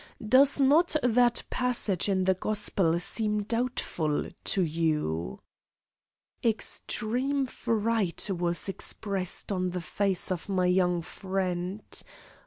Does not that passage in the Gospels seem doubtful to you?" Extreme fright was expressed on the face of my young friend.